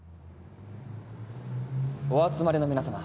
お集まりの皆様